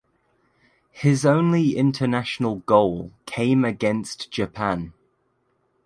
His only international goal came against Japan.